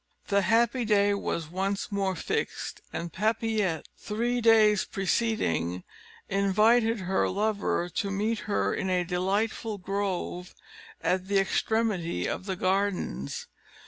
The happy day was once more fixed, and Papillette, three days preceding, invited her lover to meet her in a delightful grove at the extremity of the gardens.